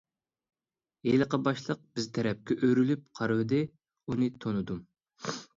ھېلىقى باشلىق بىز تەرەپكە ئۆرۈلۈپ قارىۋىدى، ئۇنى تونۇدۇم.